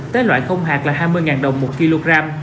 tế loại không hạt là hai mươi đồng một kg